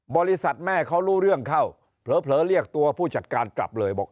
บริษัทแม่เขารู้เรื่องเข้าเผลอเรียกตัวผู้จัดการกลับเลยบอก